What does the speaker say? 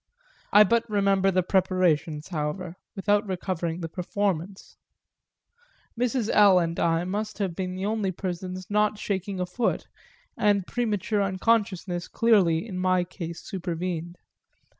I but recover the preparations, however, without recovering the performance; Mrs. L. and I must have been the only persons not shaking a foot, and premature unconsciousness clearly in my case supervened.